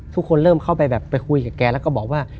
ทุกคนเริ่มเข้าไปแบบไปคุยกับแกแล้วก็บอกว่า